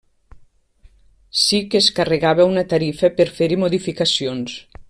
Sí que es carregava una tarifa per fer-hi modificacions.